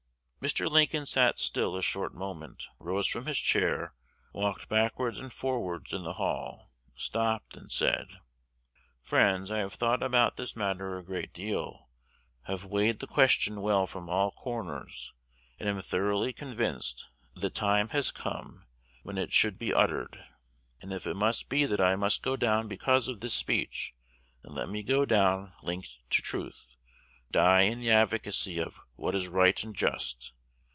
"Mr. Lincoln sat still a short moment, rose from his chair, walked backwards and forwards in the hall, stopped and said, 'Friends, I have thought about this matter a great deal, have weighed the question well from all corners, and am thoroughly convinced the time has come when it should be uttered; and if it must be that I must go down because of this speech, then let me go down linked to truth, die in the advocacy of what is right and just.